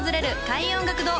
開運音楽堂